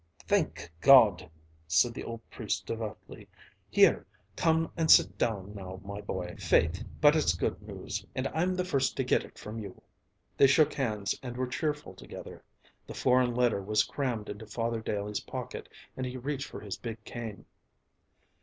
"Thank God!" said the old priest devoutly. "Here, come and sit down, my boy. Faith, but it's good news, and I'm the first to get it from you." They shook hands and were cheerful together; the foreign letter was crammed into Father Daley's pocket, and he reached for his big cane.